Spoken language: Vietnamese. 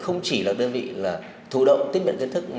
không chỉ là đơn vị thủ động tiết biện kiến thức